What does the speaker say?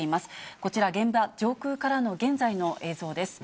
こちら、現場上空からの現在の映像です。